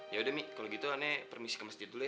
yaudah mi kalau gitu ane permisi kemesti dulu ya